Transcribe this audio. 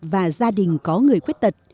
và gia đình có người khuyết tật